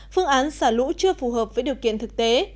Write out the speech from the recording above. phương án xả lũ chưa phù hợp với điều kiện thực tế